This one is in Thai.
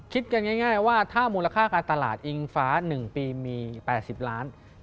คิดกันง่ายว่าถ้ามูลค่าการตลาดอิงฟ้า๑ปีมี๘๐ล้าน